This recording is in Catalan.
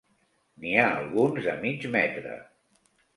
N'hi ha alguns de mig metre.